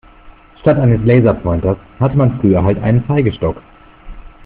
Statt eines Laserpointers hatte man früher halt einen Zeigestock.